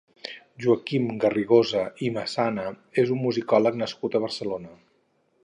Joaquim Garrigosa i Massana és un musicòleg nascut a Barcelona.